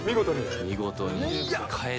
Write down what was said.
見事に。